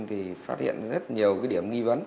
thì phát hiện rất nhiều điểm nghi vấn